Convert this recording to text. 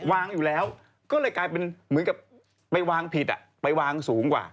วางอยู่แล้วก็เลยกลายเป็นเหมือนกับไปวางผิดไปวางสูงกว่า